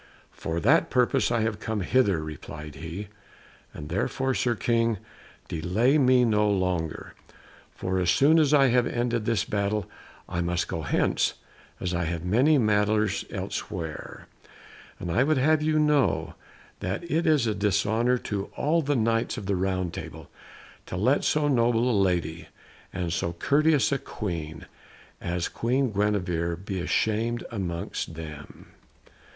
"For that purpose I came hither," replied he, "and therefore, Sir King, delay me no longer, for as soon as I have ended this battle I must go hence, as I have many matters elsewhere. And I would have you know that it is a dishonour to all the Knights of the Round Table to let so noble a lady and so courteous a Queen as Queen Guenevere be shamed amongst them."